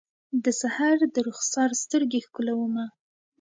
د سحر درخسار سترګې ښکلومه